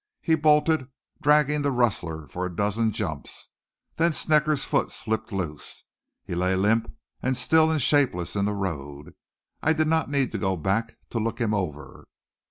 He bolted, dragging the rustler for a dozen jumps. Then Snecker's foot slipped loose. He lay limp and still and shapeless in the road. I did not need to go back to look him over.